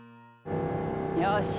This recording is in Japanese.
よし！